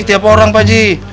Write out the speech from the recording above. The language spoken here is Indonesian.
tiap orang pak aji